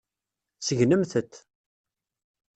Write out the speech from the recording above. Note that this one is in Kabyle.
Segnemt-t.